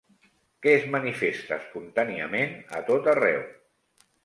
Que es manifesta espontàniament a tot arreu.